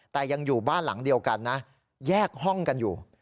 แต่ยังอยู่บ้านหลังเดียวกันนะแยกห้องกันอยู่